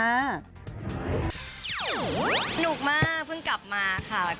สนุกมากเพิ่งกลับมาค่ะ